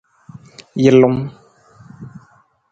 Jalung.